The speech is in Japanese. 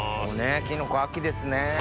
きのこ秋ですね。